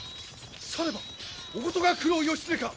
さればおことが九郎義経か！